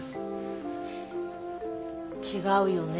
違うよね